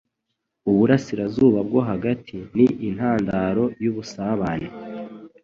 Uburasirazuba bwo Hagati ni intandaro yubusabane.